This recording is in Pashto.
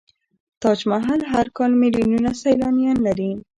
تاج محل هر کال میلیونونه سیلانیان لري.